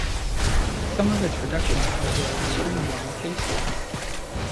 Some of its production models were in a streamlined casing.